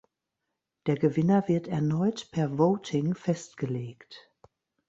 Der Gewinner wird erneut per Voting festgelegt.